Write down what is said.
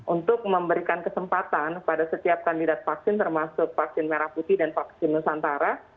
untuk memberikan kesempatan pada setiap kandidat vaksin termasuk vaksin merah putih dan vaksin nusantara